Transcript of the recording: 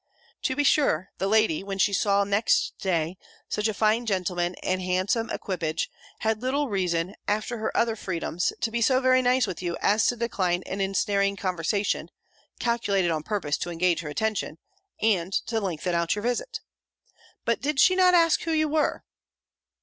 To be sure, the lady, when she saw, next day, such a fine gentleman and handsome equipage, had little reason, after her other freedoms, to be so very nice with you as to decline an ensnaring conversation, calculated on purpose to engage her attention, and to lengthen out your visit. But did she not ask you who you were?"